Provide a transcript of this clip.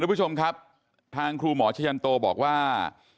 คุณผู้ชมครับทางครูหมอชะยันโตบอกว่า